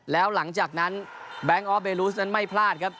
แล้วหลังจากนั้นแบงค์ออฟเบลูสนั้นไม่พลาดครับ